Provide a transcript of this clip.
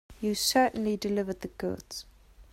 You certainly delivered the goods.